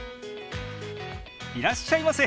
いらっしゃいませ！